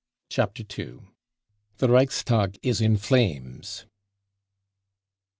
Chapter II: " THE REICHSTAG IS > IN FLAMES!"